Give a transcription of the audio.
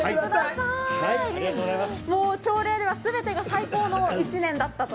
朝礼では全てが最高の１年だったと。